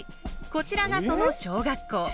こちらがその小学校。